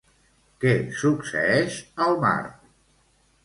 Què succeeix al mar?